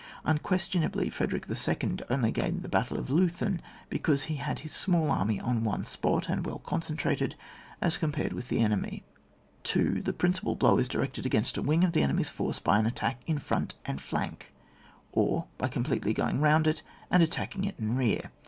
Unquestionably Frederick II. only gained the battle of Leuthen be cause he had his small army on one spot and well concentrated, as compared with the enemy. 2. The principal blow is directed against a wing of the enemy's force by an attack in £ront and flank, or by com pletely g^ing round it and attacking it in rear.